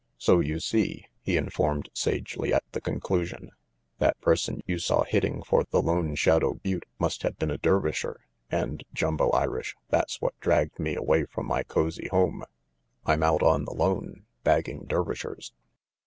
"So you see," he informed sagely, at the conclu sion, "that person you saw hitting for the Lone Shadow butte must have been a Dervisher, and, Jumbo Irish, that's what dragged me away from my cozy home. I'm out on the lone, bagging Der vishers.